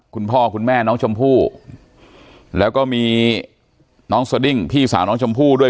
คุณพ่อคุณแม่น้องชมพู่แล้วก็มีน้องสดิ้งพี่สาวน้องชมพู่ด้วย